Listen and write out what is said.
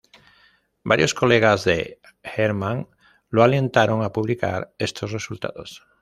Varios colegas de Hermann lo alentaron a publicar estos resultados.